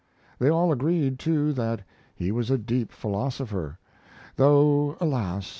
They all agreed, too, that he was a deep philosopher, though, alas!